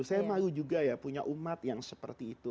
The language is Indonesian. saya malu juga ya punya umat yang seperti itu